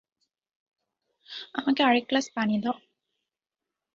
আমাকে আর এক গ্লাস পানি দাও।